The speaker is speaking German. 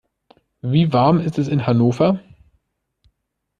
Wie warm ist es in Hannover?